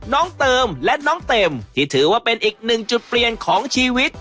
น้องเติมและน้องเต็มที่ถือว่าเป็นอีกหนึ่งจุดเปลี่ยนของชีวิต